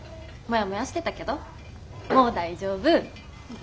もやもやしてたけどもう大丈夫。